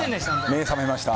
目、覚めました。